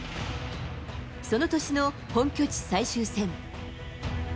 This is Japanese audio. その年の本拠地最終戦。